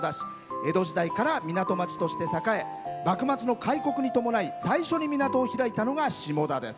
江戸時代から港町として栄え幕末の開国に伴い最初に港を開いたのが下田です。